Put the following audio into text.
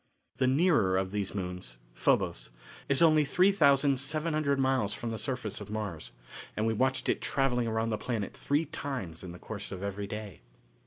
The nearer of these moons, Phobos, is only 3,700 miles from the surface of Mars, and we watched it travelling around the planet three times in the course of every day.